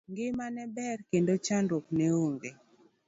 Ngima ne ber kendo chandruok ne onge.